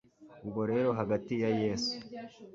ubwo rero hagati ya yesu